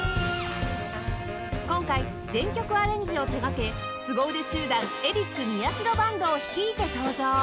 今回全曲アレンジを手掛けすご腕集団エリック・ミヤシロ・バンドを率いて登場